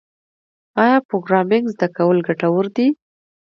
آیا پروګرامینګ زده کول ګټور دي؟